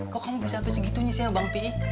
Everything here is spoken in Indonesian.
kok kamu bisa sampai segitunya sih bang pih